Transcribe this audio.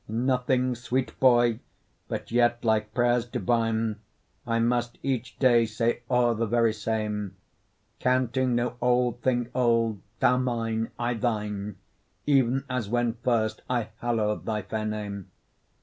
Nothing, sweet boy; but yet, like prayers divine, I must each day say o'er the very same; Counting no old thing old, thou mine, I thine, Even as when first I hallow'd thy fair name.